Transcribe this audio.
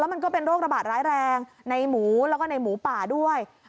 มันก็เป็นโรคระบาดร้ายแรงในหมูแล้วก็ในหมูป่าด้วย